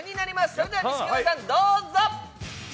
それでは錦鯉さん、どうぞ。